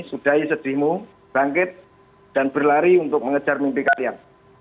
sudahi sedihmu bangkit dan berlari untuk mengejar mimpi kalian